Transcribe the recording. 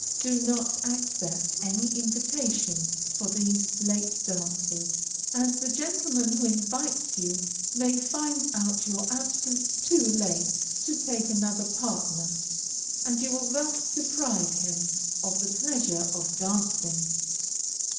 Do not accept any invitation for these late dances, as the gentleman who invites you may find out your absence too late to take another partner, and you will thus deprive him of the pleasure of dancing.